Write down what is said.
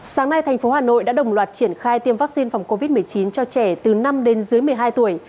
sáng nay thành phố hà nội đã đồng loạt triển khai tiêm vaccine phòng covid một mươi chín cho trẻ từ năm đến dưới một mươi hai tuổi